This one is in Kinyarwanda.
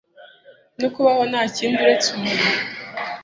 no kubaho nta kindi uretse umuriro